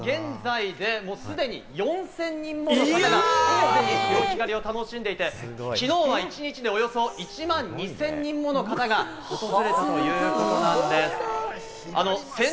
午前８時半現在で、すでに４０００人もの方が潮干狩りを楽しんでいて、昨日は一日でおよそ１万２０００人もの方が訪れたということなんです。